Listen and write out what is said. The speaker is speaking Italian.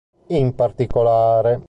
In particolare